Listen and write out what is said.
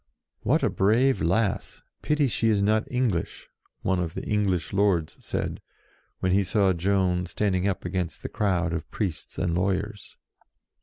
"What a brave lass. Pity she is not English !" one of the English lords said, when he saw Joan standing up against the crowd of priests and lawyers.